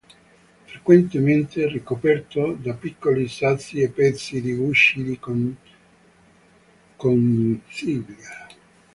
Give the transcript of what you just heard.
Frequentemente ricoperto da piccoli sassi e pezzi di gusci di conchiglia.